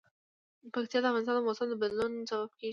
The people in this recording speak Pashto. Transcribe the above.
پکتیا د افغانستان د موسم د بدلون سبب کېږي.